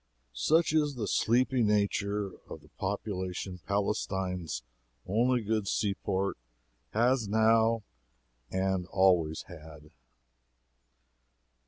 Such is the sleepy nature of the population Palestine's only good seaport has now and always had.